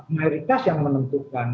mayoritas yang menentukan